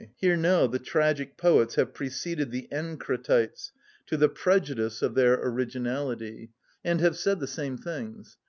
Here now the tragic poets have preceded the Encratites (to the prejudice of their originality) and have said the same things.